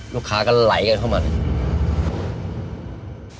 ลูกค้าก็ไหลกันเข้ามาเลย